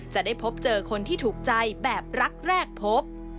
จะได้พบเจอคนที่ถูกใจแบบรักแรกพบ